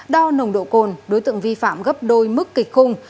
đo nồng độ cồn đối tượng vi phạm gấp đôi mức kịch khung